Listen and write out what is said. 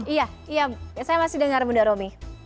iya iya saya masih dengar bunda romi